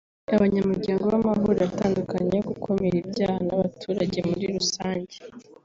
Abanyamuryango b’Amahuriro atandukanye yo gukumira ibyaha n’abaturage muri rusange